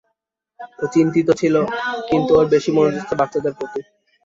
ও চিন্তিত ছিল, কিন্তু ওর বেশি মনোযোগ ছিল বাচ্চাদের প্রতি।